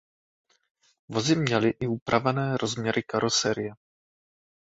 Vozy měly i upravené rozměry karoserie.